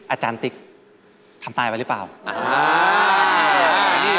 อาจารย์ติ๊กทำตายไปหรือเปล่า